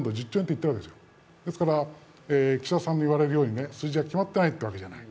ですから、岸田さんの言われるように数字が決まっていないというわけではない。